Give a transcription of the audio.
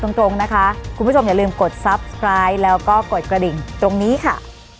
วันนี้สวัสดีค่ะ